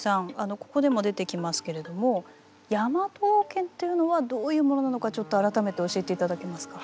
ここでも出てきますけれどもヤマト王権っていうのはどういうものなのかちょっと改めて教えて頂けますか？